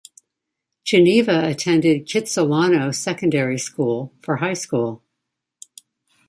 Geneva attended Kitsilano Secondary School for high school.